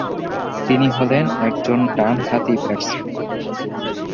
তিনি হলেন একজন ডান হাতি ব্যাটসম্যান।